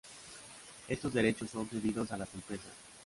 Estos derechos son cedidos a las empresas